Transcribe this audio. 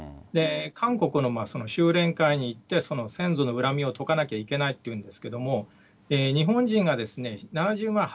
韓国のしゅうれん会に行って、先祖の恨みを解かなきゃいけないっていうんですけども、日本人が７０万、８０万